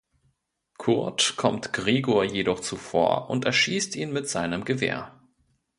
Kurt kommt Gregor jedoch zuvor und erschießt ihn mit seinem Gewehr.